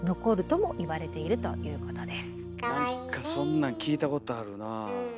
何かそんなん聞いたことあるなあ。